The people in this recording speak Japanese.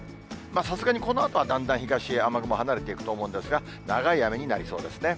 さすがにこのあとはだんだん東へ雨雲離れていくと思うんですが、長い雨になりそうですね。